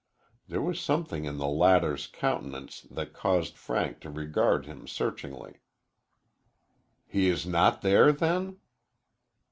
There was something in the latter's countenance that caused Frank to regard him searchingly. "He is not there, then?"